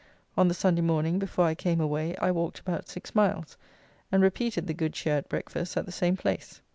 On the Sunday morning, before I came away, I walked about six miles, and repeated the good cheer at breakfast at the same place.